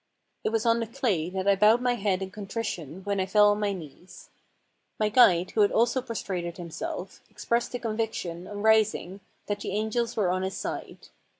It was on the clay that I bowed my head in contrition when I fell on my knees. My guide, who had also pros trated himself, expressed the conviction, on rising, that the angels were on his side.